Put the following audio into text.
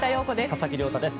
佐々木亮太です。